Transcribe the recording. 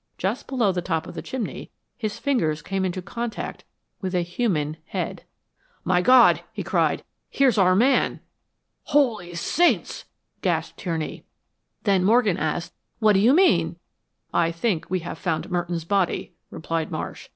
Just below the top of the chimney his fingers came into contact with a human head. "My God!" he cried. "Here's our man." "Holy Saints!" gasped Tierney. Then Morgan asked, "What do you mean?" "I think we've found Merton's body," replied Marsh.